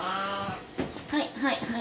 はいはいはい。